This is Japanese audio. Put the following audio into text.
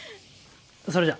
それじゃ。